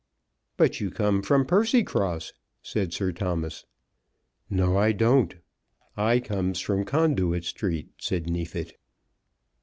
"But you come from Percycross?" said Sir Thomas. "No I don't; I comes from Conduit Street," said Neefit.